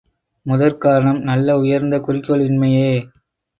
முதற்காரணம் நல்ல உயர்ந்த குறிக்கோள் இன்மையே!